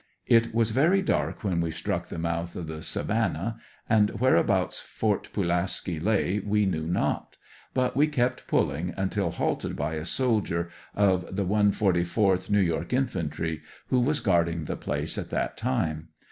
It was very dark when we struck the mouth of the Savannah, and where abouts Fort Pulaski lay v/ e knew not ; but we kept pulling until halt A DARING ESCAPE. 171 ed by a soldier of the 144th N. Y. Infantry, who was guarding the place at that time.